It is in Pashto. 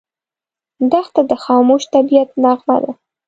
دښته د خاموش طبعیت نغمه ده.